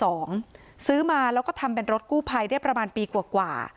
เป็นรถมือสองซื้อมาแล้วก็ทำเป็นรถกู้ไพได้ประมาณปีกว่า